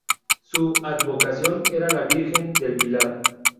Su advocación era la Virgen del Pilar.